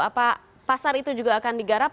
apa pasar itu juga akan digarap